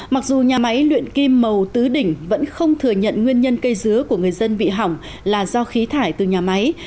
mặc dù nhà máy luyện kim màu tứ đỉnh vẫn không thừa nhận nguyên nhân cây dứa của người dân bị hỏng là do khí thải từ nhà máy